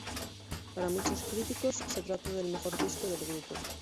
Para muchos críticos, se trata del mejor disco del grupo.